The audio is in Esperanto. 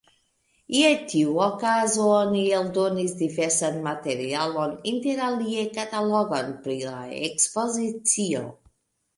Je tiu okazo oni eldonis diversan materialon, interalie katalogon pri la ekspozicio.